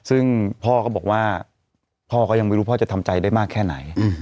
ซึ่งพ่อก็บอกว่าพ่อก็ยังไม่รู้พ่อจะทำใจได้มากแค่ไหน